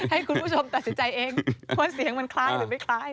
ให้คุณผู้ชมตัดสินใจเองว่าเสียงมันคล้ายหรือไม่คล้าย